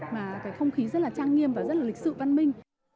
mà cái không khí rất là trang nghiêm và rất là lịch sự văn minh